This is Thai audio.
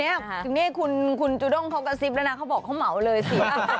ถึงนี่คุณคุณจุดรองเขาก็สิบแล้วน่ะเขาบอกเขาเหมาเลยกลัว